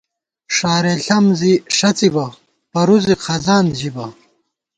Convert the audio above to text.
ݭارېل ݪم زی ݭَڅی بہ ، پروزِک خزان ژِبہ